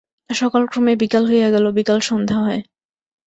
সকাল ক্রমে বিকাল হইয়া গেল, বিকাল সন্ধ্যা হয়।